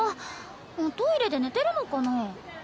おトイレで寝てるのかな？